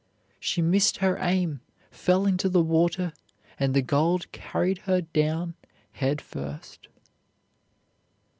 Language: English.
She missed her aim, fell into the water and the gold carried her down head first.